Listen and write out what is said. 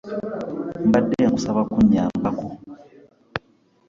Mbadde nkusaba kunnyambako.